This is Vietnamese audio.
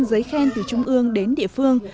giấy khen từ trung ương đến địa phương